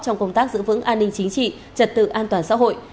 trong công tác giữ vững an ninh chính trị trật tự an toàn xã hội